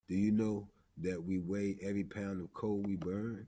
Do you know that we weigh every pound of coal we burn.